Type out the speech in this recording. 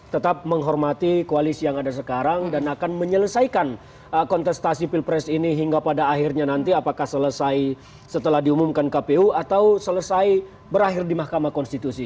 tetap menghormati koalisi yang ada sekarang dan akan menyelesaikan kontestasi pilpres ini hingga pada akhirnya nanti apakah selesai setelah diumumkan kpu atau selesai berakhir di mahkamah konstitusi